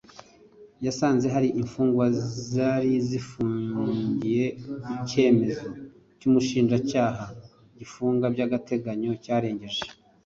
yasanze hari imfungwa zari zifungiye ku cyemezo cy Umushinjacyaha gifunga by agateganyo cyarengeje